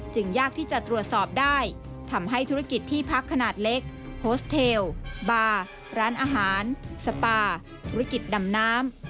ยากที่จะตรวจสอบได้ทำให้ธุรกิจที่พักขนาดเล็กโฮสเทลบาร์ร้านอาหารสปาธุรกิจดำน้ำ